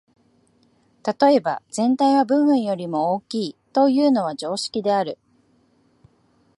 例えば、「全体は部分よりも大きい」というのは常識である。